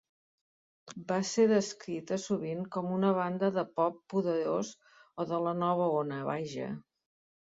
Va ser descrita sovint com una banda de pop poderós o de la nova ona, Vaja!